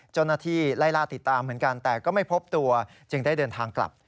เจ้าหน้าที่ไล่ล่าติดตามเหมือนกันแต่ก็ไม่พบตัวจึงได้เดินทางกลับ